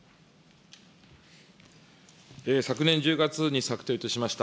昨年１０月に策定をいたしました